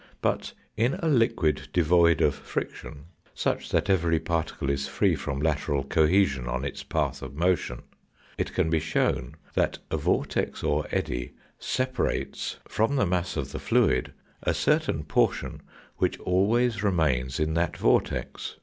But in a liquid devoid of friction, such that every particle is free from lateral cohesion on its path of motion, it can be shown that a vortex or eddy separates from the mass of the fluid a certain portion, which always remain in that vortex.